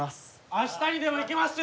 明日にでも行けますよ！